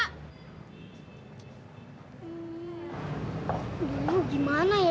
hmm dulu gimana ya